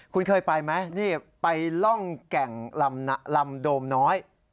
คุณเคยไปไหมนี่ไปล่องแก่งลำโดมน้อย